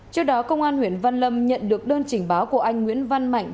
trước đó công an huyện văn lâm nhận được đơn trình báo của anh nguyễn văn mạnh